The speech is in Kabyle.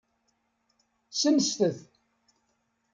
Senset-t.